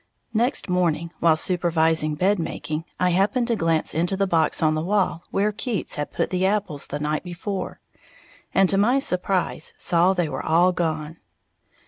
Next morning while supervising bed making, I happened to glance into the box on the wall where Keats had put the apples the night before, and, to my surprise, saw that they were all gone.